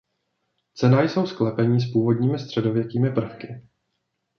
Cenná jsou sklepení s původními středověkými prvky.